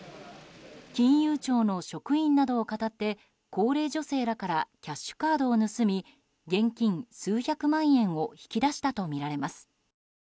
金融庁の職員などを語って高齢女性らからキャッシュカードを盗み現金数百万円を引き出したとみられます。